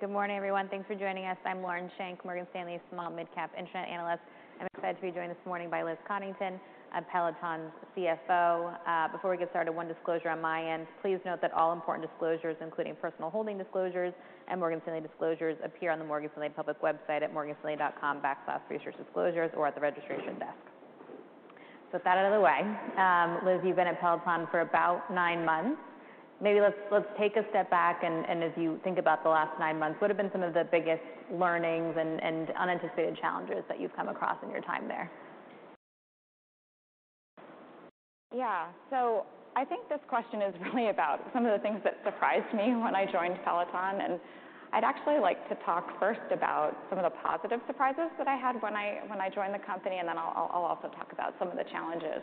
Good morning, everyone. Thanks for joining us. I'm Lauren Schenk, Morgan Stanley's small midcap internet analyst. I'm excited to be joined this morning by Liz Coddington, Peloton's CFO. Before we get started, one disclosure on my end. Please note that all important disclosures, including personal holding disclosures and Morgan Stanley disclosures, appear on the Morgan Stanley public website at morganstanley.com/researchdisclosures or at the registration desk. With that out of the way, Liz, you've been at Peloton for about nine months. Maybe let's take a step back and as you think about the last nine months, what have been some of the biggest learnings and unanticipated challenges that you've come across in your time there? I think this question is really about some of the things that surprised me when I joined Peloton, and I'd actually like to talk first about some of the positive surprises that I had when I joined the company, and then I'll also talk about some of the challenges.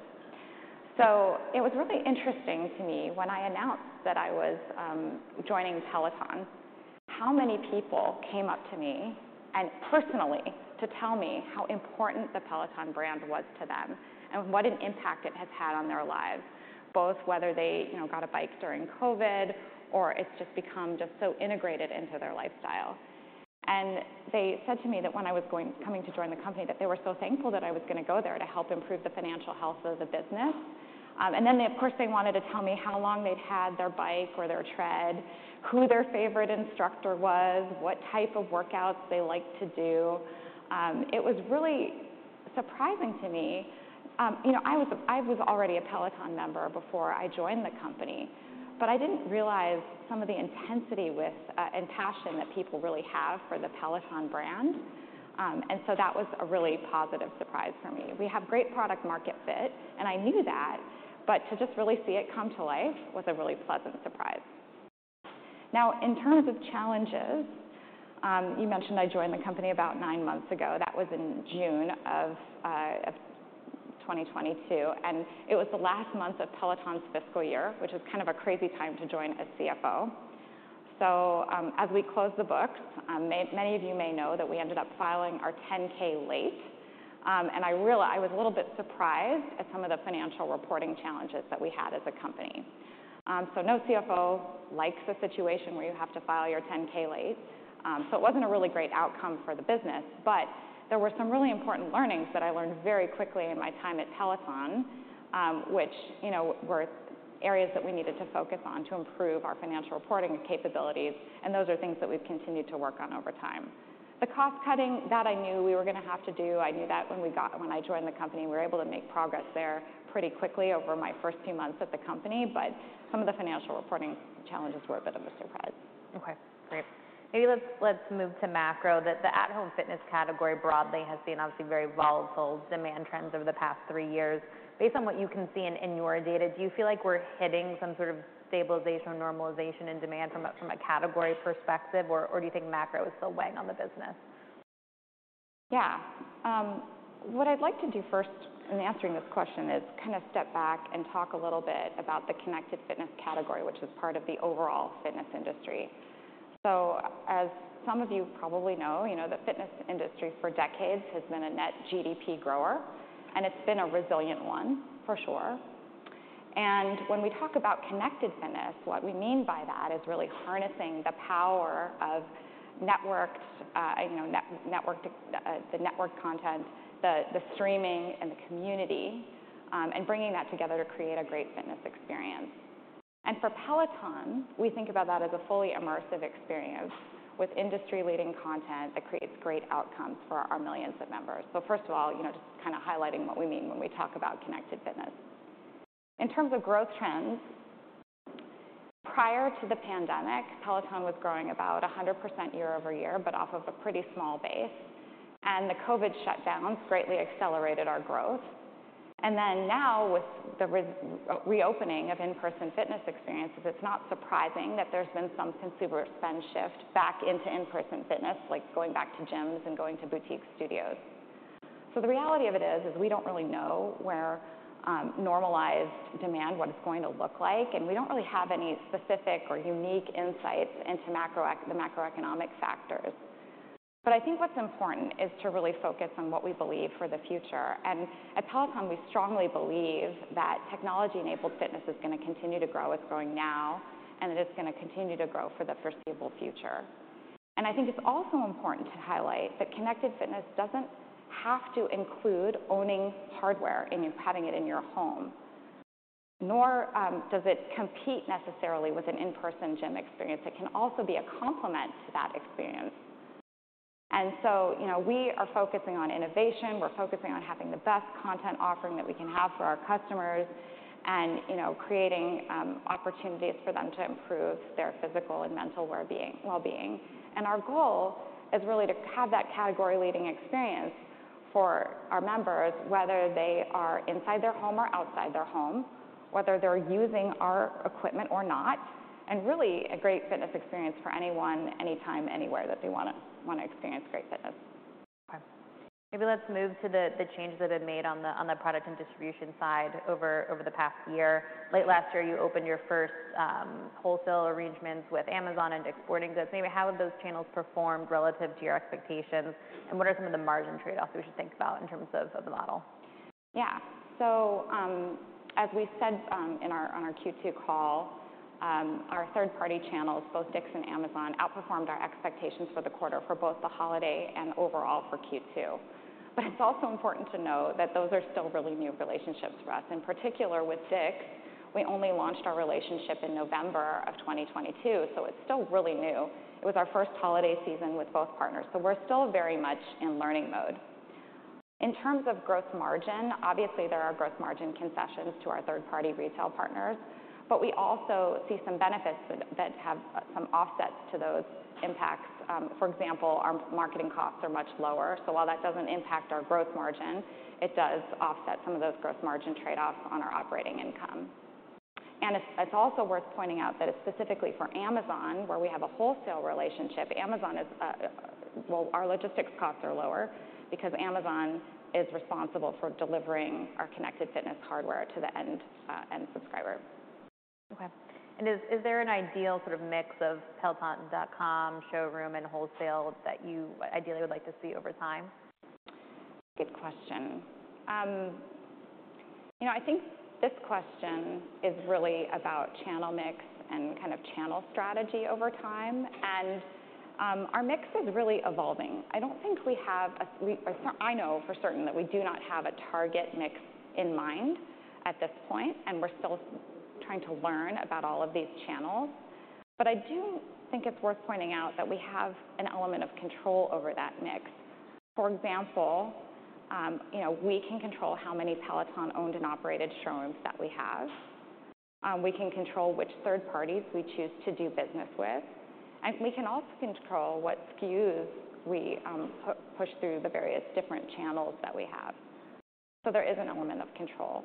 It was really interesting to me when I announced that I was joining Peloton, how many people came up to me and personally to tell me how important the Peloton brand was to them and what an impact it has had on their lives, both whether they, you know, got a bike during COVID or it's just become just so integrated into their lifestyle. They said to me that when I was coming to join the company, that they were so thankful that I was gonna go there to help improve the financial health of the business. They of course, they wanted to tell me how long they'd had their bike or their tread, who their favorite instructor was, what type of workouts they like to do. It was really surprising to me. You know, I was, I was already a Peloton member before I joined the company, but I didn't realize some of the intensity with and passion that people really have for the Peloton brand. That was a really positive surprise for me. We have great product market fit, and I knew that, but to just really see it come to life was a really pleasant surprise. Now, in terms of challenges, you mentioned I joined the company about nine months ago. That was in June of 2022, and it was the last month of Peloton's fiscal year, which is kind of a crazy time to join as CFO. As we closed the books, many of you may know that we ended up filing our Form 10-K late. I was a little bit surprised at some of the financial reporting challenges that we had as a company. No CFO likes a situation where you have to file your Form 10-K late. It wasn't a really great outcome for the business. There were some really important learnings that I learned very quickly in my time at Peloton, which, you know, were areas that we needed to focus on to improve our financial reporting capabilities. Those are things that we've continued to work on over time. The cost-cutting, that I knew we were gonna have to do. I knew that when I joined the company. We were able to make progress there pretty quickly over my first few months at the company. Some of the financial reporting challenges were a bit of a surprise. Okay. Great. Maybe let's move to macro. The at-home fitness category broadly has seen obviously very volatile demand trends over the past three years. Based on what you can see in your data, do you feel like we're hitting some sort of stabilization or normalization in demand from a category perspective, or do you think macro is still weighing on the business? Yeah. What I'd like to do first in answering this question is kinda step back and talk a little bit about the connected fitness category, which is part of the overall fitness industry. As some of you probably know, you know, the fitness industry for decades has been a net GDP grower, and it's been a resilient one for sure. When we talk about connected fitness, what we mean by that is really harnessing the power of networked, you know, network content, the streaming and the community, and bringing that together to create a great fitness experience. For Peloton, we think about that as a fully immersive experience with industry-leading content that creates great outcomes for our millions of members. First of all, you know, just kinda highlighting what we mean when we talk about connected fitness. In terms of growth trends, prior to the pandemic, Peloton was growing about 100% year-over-year, but off of a pretty small base. The COVID shutdowns greatly accelerated our growth. Now with the reopening of in-person fitness experiences, it's not surprising that there's been some consumer spend shift back into in-person fitness, like going back to gyms and going to boutique studios. The reality of it is we don't really know where normalized demand, what it's going to look like, and we don't really have any specific or unique insights into the macroeconomic factors. I think what's important is to really focus on what we believe for the future. At Peloton, we strongly believe that technology-enabled fitness is gonna continue to grow. It's growing now, and it is gonna continue to grow for the foreseeable future. I think it's also important to highlight that connected fitness doesn't have to include owning hardware and you having it in your home. Nor does it compete necessarily with an in-person gym experience. It can also be a complement to that experience. You know, we are focusing on innovation. We're focusing on having the best content offering that we can have for our customers and, you know, creating opportunities for them to improve their physical and mental wellbeing. Our goal is really to have that category-leading experience for our members, whether they are inside their home or outside their home, whether they're using our equipment or not, and really a great fitness experience for anyone, anytime, anywhere that they wanna experience great fitness. Okay. Maybe let's move to the changes that have made on the product and distribution side over the past year. Late last year, you opened your first wholesale arrangements with Amazon and DICK'S Sporting Goods. Maybe how have those channels performed relative to your expectations, and what are some of the margin trade-offs we should think about in terms of the model? As we said, in our, on our Q2 call, our third party channels, both DICK'S and Amazon, outperformed our expectations for the quarter for both the holiday and overall for Q2. It's also important to note that those are still really new relationships for us. In particular with DICK'S, we only launched our relationship in November of 2022, so it's still really new. It was our first holiday season with both partners, so we're still very much in learning mode. In terms of gross margin, obviously there are gross margin concessions to our third party retail partners, but we also see some benefits that have some offsets to those impacts. For example, our marketing costs are much lower, so while that doesn't impact our gross margin, it does offset some of those gross margin trade-offs on our operating income. It's also worth pointing out that specifically for Amazon, where we have a wholesale relationship, Well, our logistics costs are lower because Amazon is responsible for delivering our connected fitness hardware to the end subscriber. Okay. Is there an ideal sort of mix of Peloton.com showroom and wholesale that you ideally would like to see over time? Good question. you know, I think this question is really about channel mix and kind of channel strategy over time. Our mix is really evolving. I know for certain that we do not have a target mix in mind at this point, and we're still trying to learn about all of these channels. I do think it's worth pointing out that we have an element of control over that mix. For example, you know, we can control how many Peloton owned and operated showrooms that we have. We can control which third parties we choose to do business with, and we can also control what SKU we push through the various different channels that we have. There is an element of control.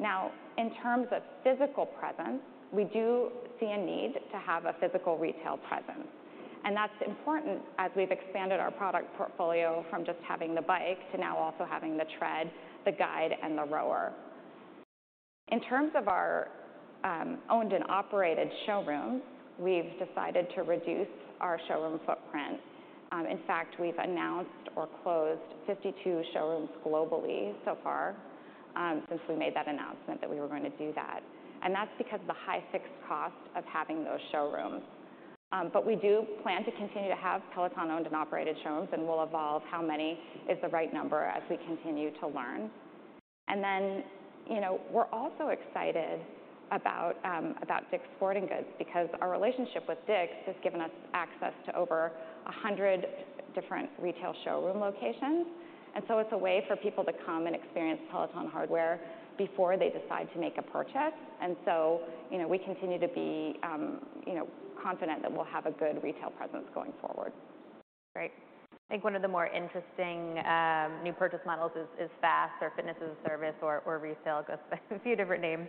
Now, in terms of physical presence, we do see a need to have a physical retail presence, and that's important as we've expanded our product portfolio from just having the bike to now also having the Tread, the Guide, and the Rower. In terms of our owned and operated showrooms, we've decided to reduce our showroom footprint. In fact, we've announced or closed 52 showrooms globally so far, since we made that announcement that we were going to do that. That's because of the high fixed cost of having those showrooms. We do plan to continue to have Peloton owned and operated showrooms, and we'll evolve how many is the right number as we continue to learn. you know, we're also excited about about DICK'S Sporting Goods because our relationship with DICK'S has given us access to over 100 different retail showroom locations. It's a way for people to come and experience Peloton hardware before they decide to make a purchase. you know, we continue to be, you know, confident that we'll have a good retail presence going forward. Great. I think one of the more interesting new purchase models is FaaS or Fitness-as-a-Service or Resale, goes by a few different names.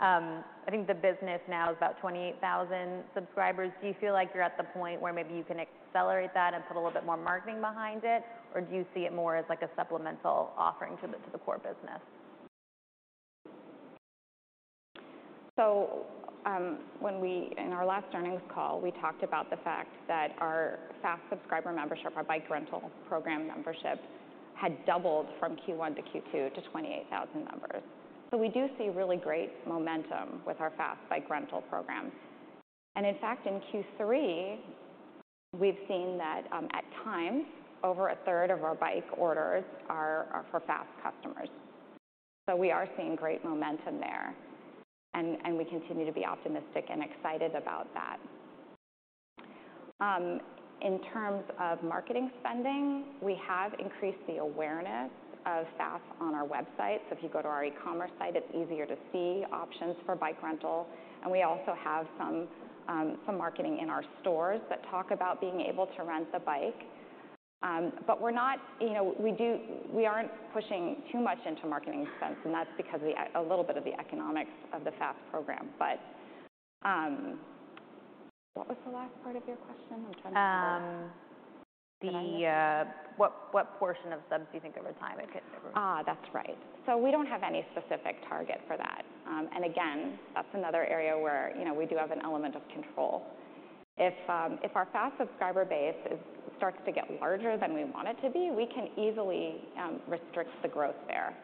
I think the business now is about 28,000 subscribers. Do you feel like you're at the point where maybe you can accelerate that and put a little bit more marketing behind it, or do you see it more as like a supplemental offering to the core business? In our last earnings call, we talked about the fact that our FaaS subscriber membership, our bike rental program membership, had doubled from Q1 to Q2 to 28,000 members. We do see really great momentum with our FaaS bike rental program. In fact, in Q3, we've seen that, at times, over a third of our bike orders are for FaaS customers. We are seeing great momentum there, and we continue to be optimistic and excited about that. In terms of marketing spending, we have increased the awareness of FaaS on our website. If you go to our e-commerce site, it's easier to see options for bike rental, and we also have some marketing in our stores that talk about being able to rent the bike. We're not, you know, we aren't pushing too much into marketing expense, and that's because of a little bit of the economics of the FaaS program. What was the last part of your question? I'm trying to remember. The, what portion of subs do you think over time it could deliver? That's right. We don't have any specific target for that. Again, that's another area where, you know, we do have an element of control. If our FaaS subscriber base starts to get larger than we want it to be, we can easily restrict the growth there.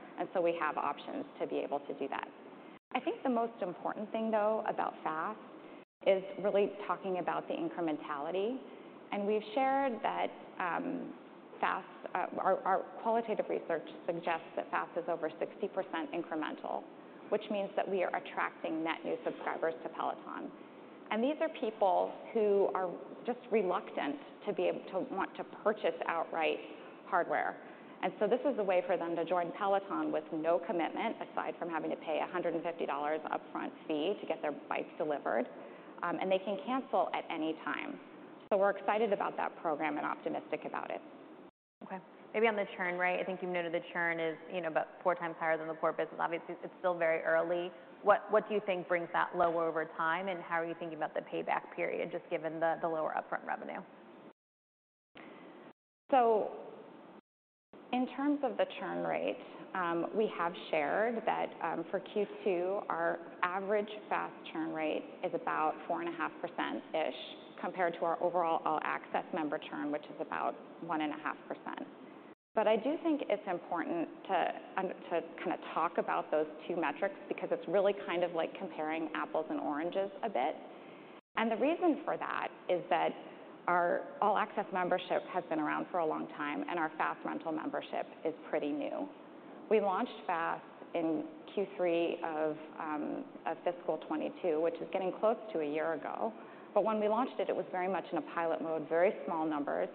We have options to be able to do that. I think the most important thing, though, about FaaS is really talking about the incrementality. We've shared that FaaS, our qualitative research suggests that FaaS is over 60% incremental, which means that we are attracting net new subscribers to Peloton. These are people who are just reluctant to be able to want to purchase outright hardware. This is a way for them to join Peloton with no commitment, aside from having to pay a $150 upfront fee to get their bike delivered. They can cancel at any time. We're excited about that program and optimistic about it. Okay. Maybe on the churn rate, I think you've noted the churn is, you know, about four times higher than the core business. Obviously, it's still very early. What do you think brings that low over time, and how are you thinking about the payback period, just given the lower upfront revenue? In terms of the churn rate, we have shared that for Q2, our average FaaS churn rate is about 4.5%-ish, compared to our overall All-Access Membership member churn, which is about 1.5%. I do think it's important to kinda talk about those two metrics because it's really kind of like comparing apples and oranges a bit. The reason for that is that our All-Access Membership membership has been around for a long time, and our FaaS Rental membership is pretty new. We launched FaaS in Q3 of fiscal 2022, which is getting close to a year ago. When we launched it was very much in a pilot mode, very small numbers.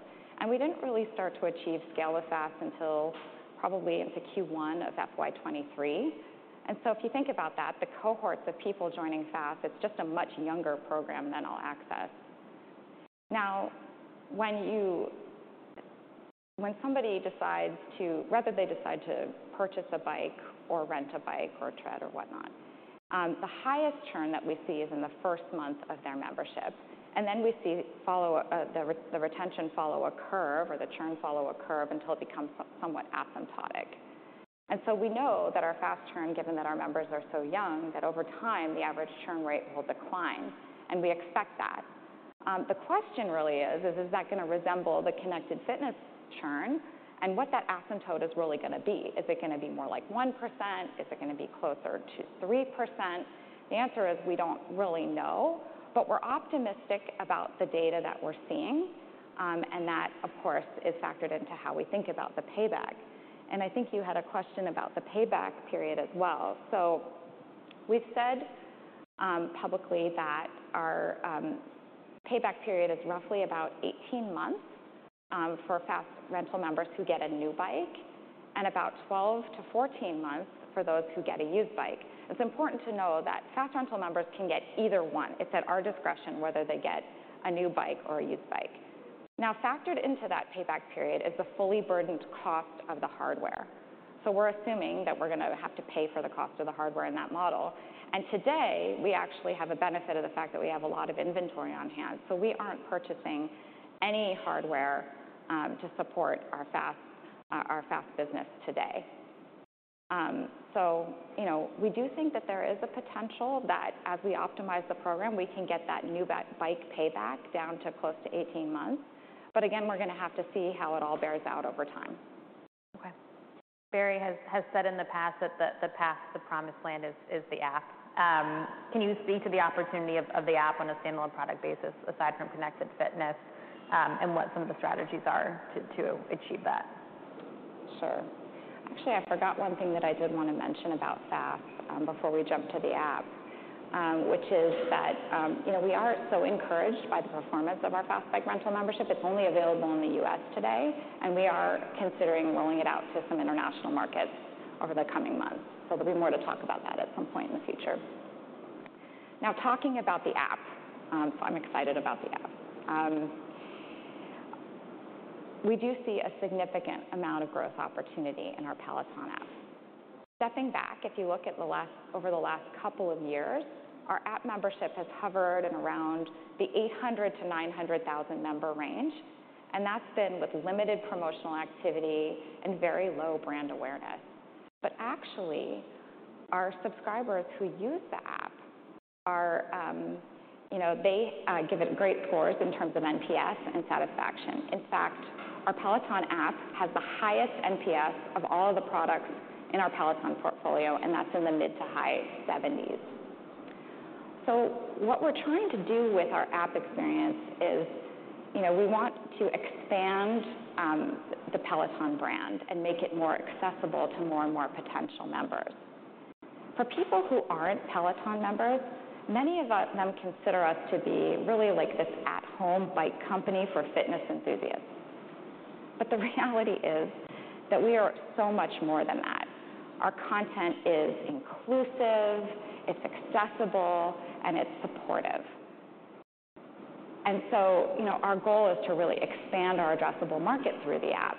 We didn't really start to achieve scale with FaaS until probably into Q1 of FY 2023. If you think about that, the cohorts of people joining FaaS, it's just a much younger program than All-Access Membership. Now, when somebody decides to whether they decide to purchase a bike or rent a bike or a tread or whatnot, the highest churn that we see is in the first month of their membership. We see follow the retention follow a curve or the churn follow a curve until it becomes somewhat asymptotic. We know that our FaaS churn, given that our members are so young, that over time, the average churn rate will decline, and we expect that. The question really is that gonna resemble the connected fitness churn, and what that asymptote is really gonna be? Is it gonna be more like 1%? Is it gonna be closer to 3%? The answer is we don't really know, but we're optimistic about the data that we're seeing, and that, of course, is factored into how we think about the payback. I think you had a question about the payback period as well. We've said publicly that our payback period is roughly about 18 months for FaaS Rental members who get a new bike, and about 12-14 months for those who get a used bike. It's important to know that FaaS Rental members can get either one. It's at our discretion whether they get a new bike or a used bike. Factored into that payback period is the fully burdened cost of the hardware. We're assuming that we're gonna have to pay for the cost of the hardware in that model. Today, we actually have a benefit of the fact that we have a lot of inventory on hand. We aren't purchasing any hardware to support our FaaS business today. You know, we do think that there is a potential that as we optimize the program, we can get that new bike payback down to close to 18 months. Again, we're gonna have to see how it all bears out over time. Barry has said in the past that the path to promised land is the App. Can you speak to the opportunity of the App on a standalone product basis, aside from connected fitness, and what some of the strategies are to achieve that? Sure. Actually, I forgot one thing that I did wanna mention about FaaS before we jump to the app, which is that, you know, we are so encouraged by the performance of our FaaS Bike Rental membership. It's only available in the U.S. today, and we are considering rolling it out to some international markets over the coming months. There'll be more to talk about that at some point in the future. Now, talking about the app, I'm excited about the app. We do see a significant amount of growth opportunity in our Peloton App. Stepping back, if you look over the last couple of years, our App membership has hovered at around the 800,000-900,000 member range, and that's been with limited promotional activity and very low brand awareness. Actually, our subscribers who use the Peloton App are, you know, they give it great scores in terms of NPS and satisfaction. In fact, our Peloton App has the highest NPS of all the products in our Peloton portfolio, and that's in the mid-to-high seventies. What we're trying to do with our App experience is, you know, we want to expand the Peloton brand and make it more accessible to more and more potential members. For people who aren't Peloton members, many of them consider us to be really like this at-home bike company for fitness enthusiasts. The reality is that we are so much more than that. Our content is inclusive, it's accessible, and it's supportive. You know, our goal is to really expand our addressable market through the App.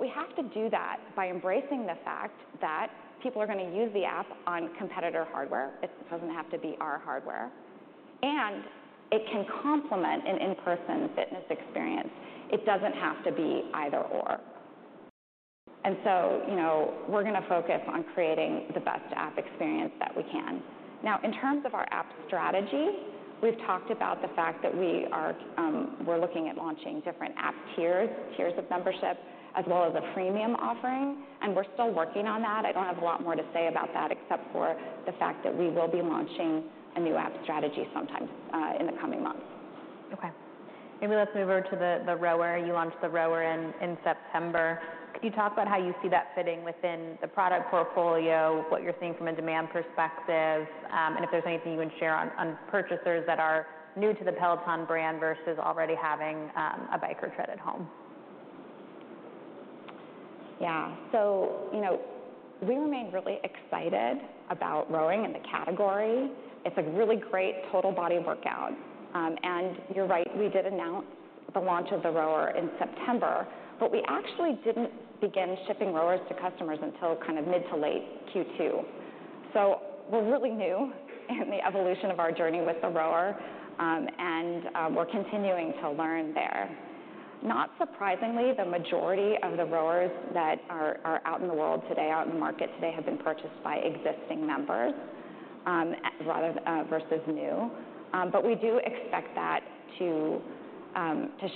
We have to do that by embracing the fact that people are gonna use the app on competitor hardware. It doesn't have to be our hardware. It can complement an in-person fitness experience. It doesn't have to be either/or. You know, we're gonna focus on creating the best app experience that we can. Now, in terms of our app strategy, we've talked about the fact that we are, we're looking at launching different app tiers of membership, as well as a premium offering. We're still working on that. I don't have a lot more to say about that, except for the fact that we will be launching a new app strategy sometime in the coming months. Okay. Maybe let's move over to the Rower. You launched the Rower in September. Could you talk about how you see that fitting within the product portfolio, what you're seeing from a demand perspective, and if there's anything you would share on purchasers that are new to the Peloton brand versus already having a bike or tread at home? Yeah. You know, we remain really excited about rowing and the category. It's a really great total body workout. You're right, we did announce the launch of the Rower in September, but we actually didn't begin shipping Rowers to customers until kind of mid to late Q2. We're really new in the evolution of our journey with the Rower, and we're continuing to learn there. Not surprisingly, the majority of the Rowers that are out in the world today, out in the market today, have been purchased by existing members rather versus new. But we do expect that to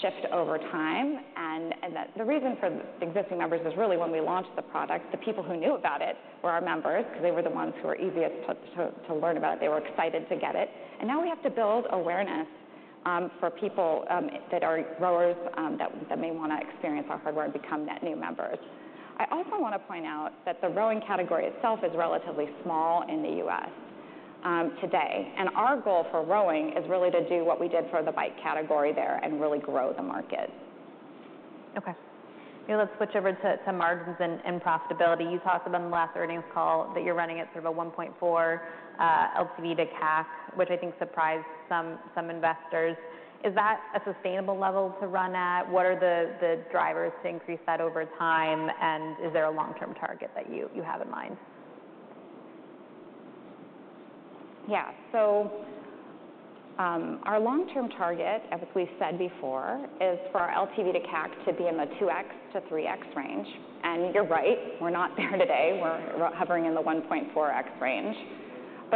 shift over time, and the reason for existing members is really when we launched the product, the people who knew about it were our members 'cause they were the ones who were easiest to learn about it. They were excited to get it. Now we have to build awareness for people that are rowers that may wanna experience our hardware and become net new members. I also wanna point out that the rowing category itself is relatively small in the U.S. today. Our goal for rowing is really to do what we did for the bike category there and really grow the market. Maybe let's switch over to margins and profitability. You talked about in the last earnings call that you're running at sort of a 1.4 LTV to CAC, which I think surprised some investors. Is that a sustainable level to run at? What are the drivers to increase that over time? Is there a long-term target that you have in mind? Our long-term target, as we've said before, is for our LTV to CAC to be in the 2x-3x range. You're right, we're not there today. We're hovering in the 1.4x range.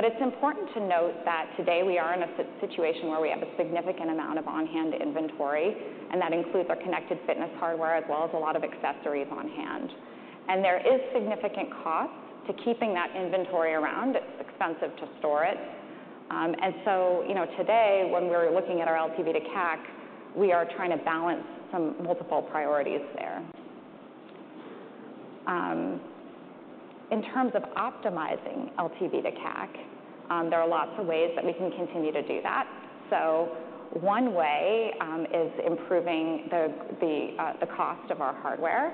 It's important to note that today we are in a situation where we have a significant amount of on-hand inventory, and that includes our connected fitness hardware as well as a lot of accessories on hand. There is significant cost to keeping that inventory around. It's expensive to store it. You know, today, when we're looking at our LTV to CAC, we are trying to balance some multiple priorities there. In terms of optimizing LTV to CAC, there are lots of ways that we can continue to do that. One way is improving the cost of our hardware.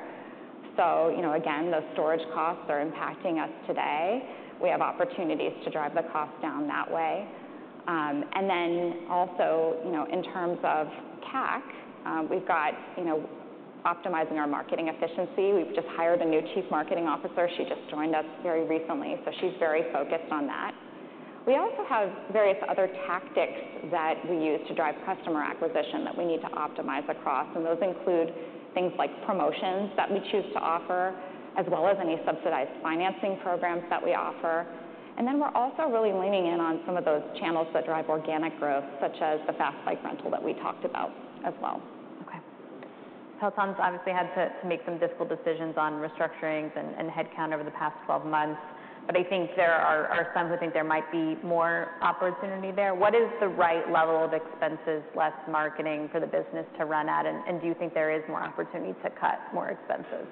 You know, again, those storage costs are impacting us today. We have opportunities to drive the cost down that way. In terms of CAC, we've got, you know, optimizing our marketing efficiency. We've just hired a new chief marketing officer. She just joined us very recently, so she's very focused on that. We also have various other tactics that we use to drive customer acquisition that we need to optimize across, and those include things like promotions that we choose to offer, as well as any subsidized financing programs that we offer. We're also really leaning in on some of those channels that drive organic growth, such as the FaaS bike rental that we talked about as well. Okay. Peloton's obviously had to make some difficult decisions on restructurings and headcount over the past 12 months. I think there are some who think there might be more opportunity there. What is the right level of expenses, less marketing for the business to run at? Do you think there is more opportunity to cut more expenses?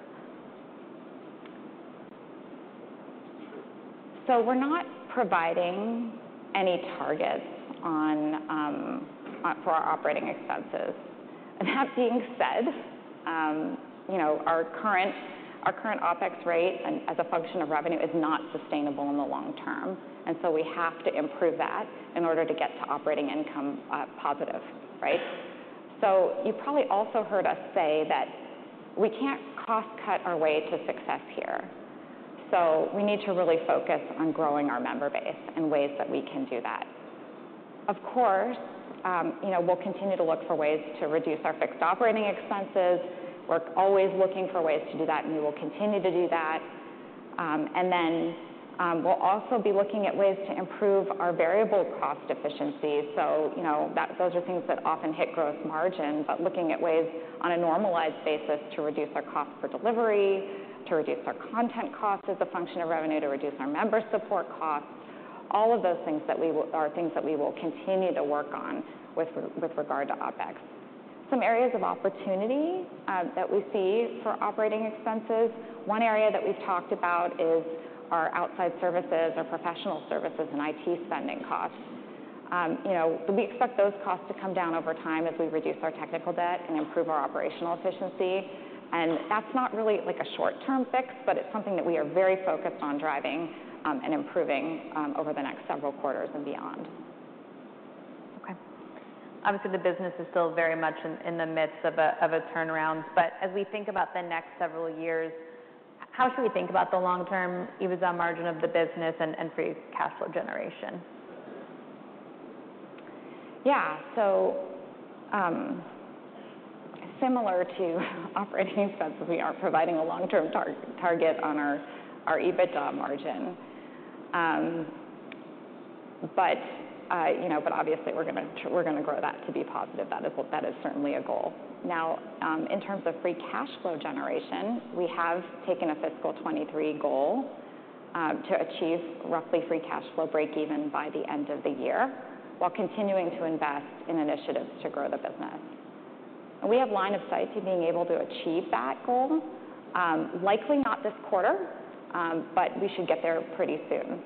We're not providing any targets on for our operating expenses. That being said, you know, our current OpEx rate and as a function of revenue is not sustainable in the long term. We have to improve that in order to get to operating income positive, right? You probably also heard us say that we can't cost cut our way to success here. We need to really focus on growing our member base and ways that we can do that. Of course, you know, we'll continue to look for ways to reduce our fixed operating expenses. We're always looking for ways to do that, and we will continue to do that. We'll also be looking at ways to improve our variable cost efficiency. you know, those are things that often hit growth margin, but looking at ways on a normalized basis to reduce our cost for delivery, to reduce our content cost as a function of revenue, to reduce our member support costs. All of those things are things that we will continue to work on with regard to OpEx. Some areas of opportunity that we see for operating expenses, one area that we've talked about is our outside services, our professional services, and IT spending costs. you know, we expect those costs to come down over time as we reduce our technical debt and improve our operational efficiency. That's not really, like, a short-term fix, but it's something that we are very focused on driving, and improving, over the next several quarters and beyond. Obviously, the business is still very much in the midst of a turnaround. As we think about the next several years, how should we think about the long-term EBITDA margin of the business and free cash flow generation? Similar to operating expenses, we aren't providing a long-term target on our EBITDA margin. You know, but obviously, we're gonna grow that to be positive. That is certainly a goal. Now, in terms of free cash flow generation, we have taken a fiscal 2023 goal to achieve roughly free cash flow break even by the end of the year, while continuing to invest in initiatives to grow the business. We have line of sight to being able to achieve that goal, likely not this quarter, but we should get there pretty soon.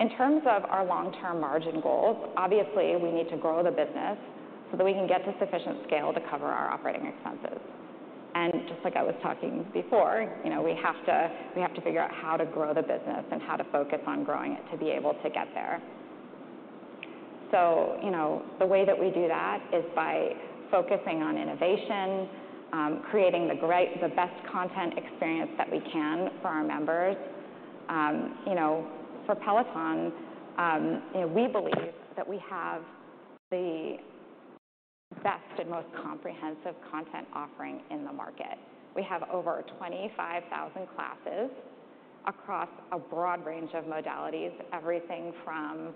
In terms of our long-term margin goals, obviously, we need to grow the business so that we can get to sufficient scale to cover our operating expenses. Just like I was talking before, you know, we have to figure out how to grow the business and how to focus on growing it to be able to get there. You know, the way that we do that is by focusing on innovation, creating the best content experience that we can for our members. You know, for Peloton, you know, we believe that we have the best and most comprehensive content offering in the market. We have over 25,000 classes across a broad range of modalities, everything from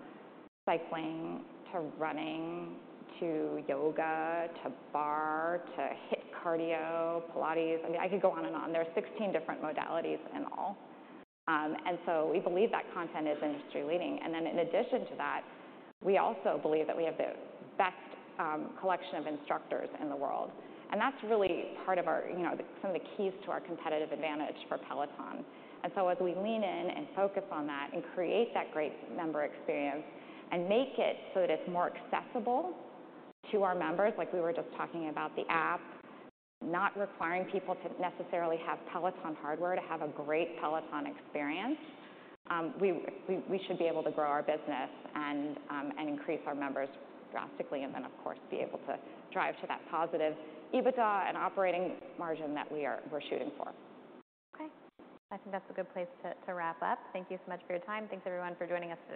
cycling to running to yoga to barre to HIIT cardio, Pilates. I mean, I could go on and on. There are 16 different modalities in all. We believe that content is industry-leading. In addition to that, we also believe that we have the best collection of instructors in the world. That's really part of our, you know, some of the keys to our competitive advantage for Peloton. As we lean in and focus on that and create that great member experience and make it so that it's more accessible to our members, like we were just talking about the Peloton App, not requiring people to necessarily have Peloton hardware to have a great Peloton experience, we should be able to grow our business and increase our members drastically, of course, be able to drive to that positive EBITDA and operating margin that we're shooting for. Okay. I think that's a good place to wrap up. Thank you so much for your time. Thanks everyone for joining us today.